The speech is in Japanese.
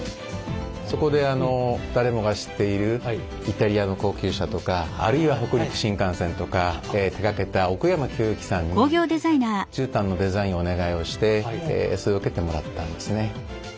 そこで誰もが知っているイタリアの高級車とかあるいは北陸新幹線とか手がけた奥山清行さんに絨毯のデザインをお願いをしてそれを受けてもらったんですね。